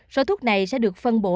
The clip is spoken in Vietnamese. sở thuốc này sẽ được phân bổ